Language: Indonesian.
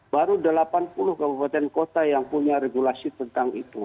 baru delapan puluh kabupaten kota yang punya regulasi tentang itu